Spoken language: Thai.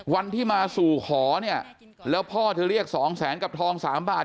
วันที่มาสู่ขอเนี่ยแล้วพ่อเธอเรียกสองแสนกับทอง๓บาท